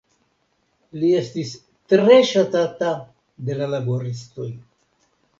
Li estis tre ŝatata de la laboristoj.